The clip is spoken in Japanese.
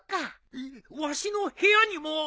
えっわしの部屋にも！？